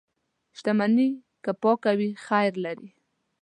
• شتمني که پاکه وي، خیر لري.